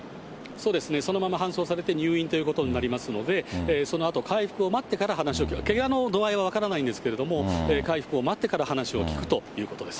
そうですね、そのまま搬送されて、入院ということになりますので、そのあと、回復を待ってから、話を聞く、けがの度合いは分からないんですけれども、回復を待ってから話を聴くということです。